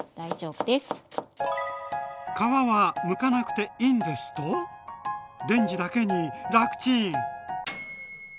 皮はむかなくていいんですと⁉レンジだけに楽チーン！